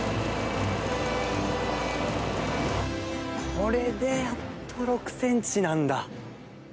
これでやっと６センチなんだ。